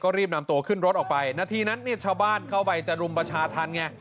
รีบนำตัวขึ้นรถออกไปนาทีนั้นเนี่ยชาวบ้านเข้าไปจะรุมประชาธรรมไง